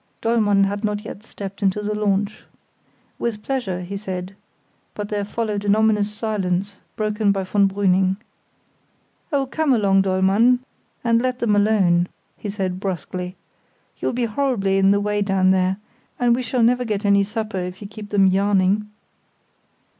Dollmann had not yet stepped into the launch. "With pleasure," he said; but there followed an ominous silence, broken by von Brüning. "Oh, come along, Dollmann, and let them alone," he said brusquely. "You'll be horribly in the way down there, and we shall never get any supper if you keep them yarning."